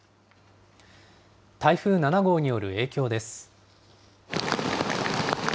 台風７号による影響です。